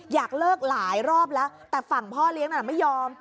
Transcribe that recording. อยากเลิกหลายรอบแล้วแต่ฝั่งเพลิงอ่ะแบบไม่ยอม